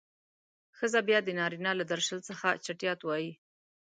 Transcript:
ښځه بيا د نارينه له درشل څخه چټيات وايي.